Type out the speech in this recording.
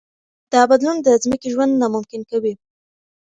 دا بدلون د ځمکې ژوند ناممکن کوي.